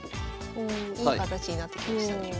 おいい形になってきましたね。